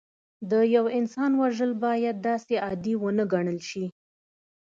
د یو انسان وژل باید داسې عادي ونه ګڼل شي